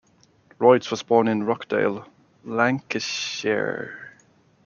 Royds was born in Rochdale, Lancashire.